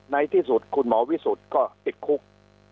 ในที่สุดคุณหมอวิสุทธิ์ก็ติดคุก